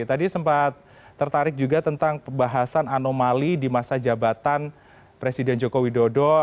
tadi sempat tertarik juga tentang pembahasan anomali di masa jabatan presiden joko widodo